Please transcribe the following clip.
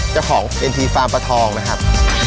เจ้าของเอ็นทีฟาร์มปลาทองนะครับ